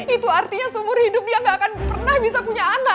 itu artinya seumur hidup dia gak akan pernah bisa punya anak